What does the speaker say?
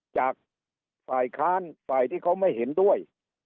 จากฝ่ายค้านฝ่ายที่เขาไม่เห็นด้วย